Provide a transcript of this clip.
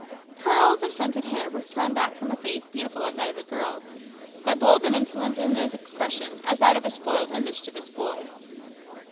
Curls of scented hair were thrown back from a face beautiful as that of a girl, but bold and insolent in its expression as that of a spoiled and mischievous boy.